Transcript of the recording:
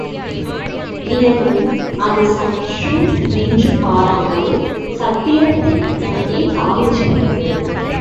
பிறகு, அது சற்றும் நின்று பாராமல் சத்திரத்தை நோக்கித் தாவிச்சென்றது.